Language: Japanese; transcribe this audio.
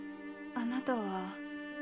あなたは？